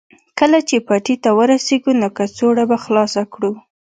کله چې پټي ته ورسېږو نو کڅوړه به خلاصه کړو